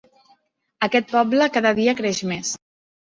Aquest poble cada dia creix més.